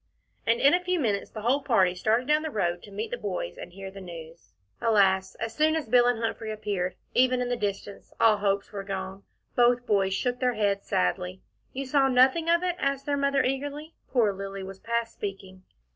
And in a few minutes the whole party started down the road to meet the boys and hear the news. Alas! as soon as Bill and Humphrey appeared, even in the distance, all hopes were gone. Both boys shook their heads sadly. "You saw nothing of it?" asked their Mother eagerly. Poor Lilly was past speaking.